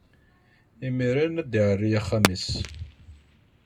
Imiren ad iɛerri axxam-is.